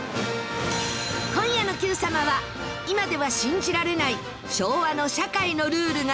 今夜の『Ｑさま！！』は今では信じられない昭和の社会のルールが続々登場。